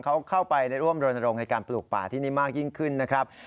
เขาเข้าไปร่วมรณรงค์ในการปลูกป่าที่นี่มากยิ่งขึ้นนะครับ